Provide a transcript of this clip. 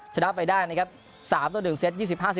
ชนะไปได้๓๑เซต๒๐๕๘๒๑๒๕